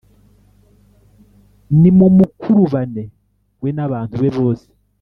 Nimumukurubane we n abantu be bose